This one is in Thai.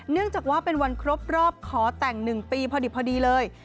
เนื่องจากว่าเป็นวันครบรอบขอแต่ง๑ปีพอดีเลย